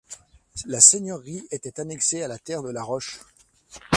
La seigneurie était annexée à la terre de la Roche.